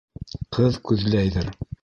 Ҡыҙ күҙләйҙер.